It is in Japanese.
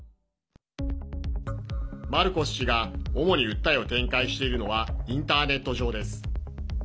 マルコス氏が主に訴えを展開しているのはインターネット上です。